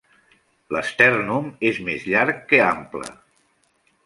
L'estèrnum és més llarg que ample.